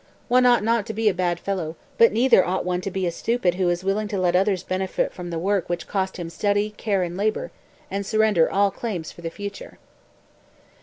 One ought not to be a bad fellow, but neither ought one to be a stupid who is willing to let others benefit from the work which cost him study, care and labor, and surrender all claims for the future."